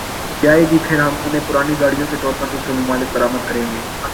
جائیں گی پھر ہم انہیں پرانی گاڑیوں کے طور پر دوسرے ممالک برآمد کریں گئے